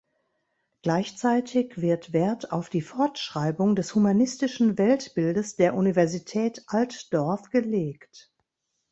Gleichzeitig wird Wert auf die Fortschreibung des humanistischen Weltbildes der Universität Altdorf gelegt.